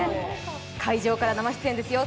会場から生出演ですよ。